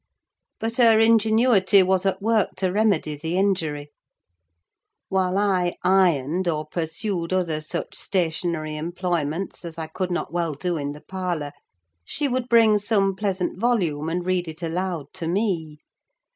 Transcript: But her ingenuity was at work to remedy the injury: while I ironed, or pursued other such stationary employments as I could not well do in the parlour, she would bring some pleasant volume and read it aloud to me.